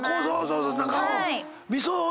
そうそう。